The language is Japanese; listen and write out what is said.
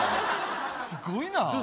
すごいな。